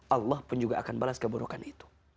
allah pun juga akan balas keburukan itu